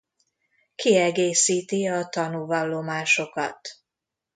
Kiegészíti a tanúvallomásokat.